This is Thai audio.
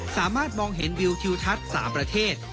สามารถมองเห็นวิวทิวทัศน์๓ประเทศ